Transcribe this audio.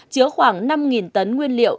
chứa khoảng năm tấn nguyên liệu